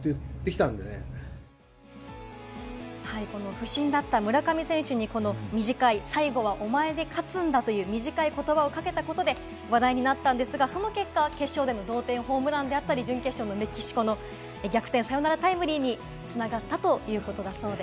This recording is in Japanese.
不振だった村上選手に短い「最後はお前で勝つんだ」という言葉をかけたことで話題になりましたが、その結果、決勝での同点ホームランであったり、準決勝のメキシコ戦の逆転サヨナラタイムリーに繋がったということだそうです。